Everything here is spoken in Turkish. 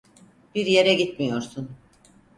Bir yere gitmiyorsun.